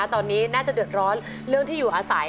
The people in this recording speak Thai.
ตอนนี้น่าจะเดือดร้อนเรื่องที่อยู่อาศัย